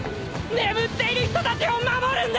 眠っている人たちを守るんだ！